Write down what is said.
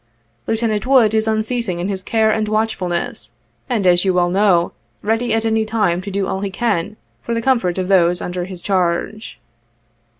' "Lieutenant Wood is unceasing in his care and watchfulness, and as you well know, ready at any time to do all he can for the comfort of those under his charge.